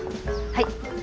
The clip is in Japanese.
はい。